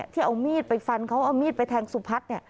ที่เอามีดไปฟันเขาเอามีดไปแทงสุพัฒน์